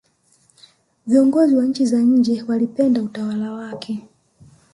viongozi wa nchi za nje walipenda utawala wake